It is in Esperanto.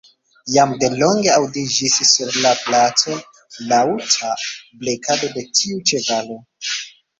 Jam de longe aŭdiĝis sur la placo laŭta blekado de tiu ĉevalo.